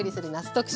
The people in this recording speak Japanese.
特集。